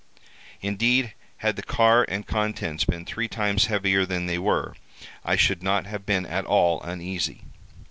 Indeed, had the car and contents been three times heavier than they were, I should not have been at all uneasy.